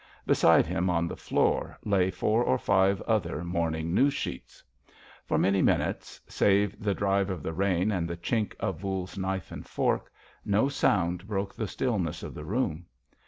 Beside him, on the floor, lay four or five other morning news sheets. For many minutes, save the drive of the rain and the chink of Voules's knife and fork, no sound broke the stillness of the room.